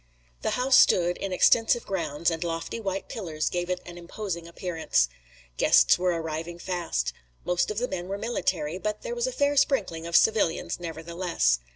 The house stood in extensive grounds, and lofty white pillars gave it an imposing appearance. Guests were arriving fast. Most of the men were military, but there was a fair sprinkling of civilians nevertheless.